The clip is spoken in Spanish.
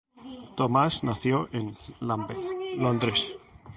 Thomas nació en Lambeth, Londres.